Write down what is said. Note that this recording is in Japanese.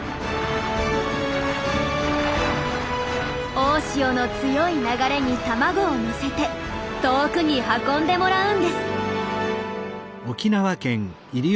大潮の強い流れに卵を乗せて遠くに運んでもらうんです。